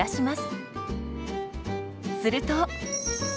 すると。